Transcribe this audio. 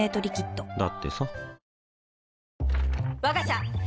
だってさ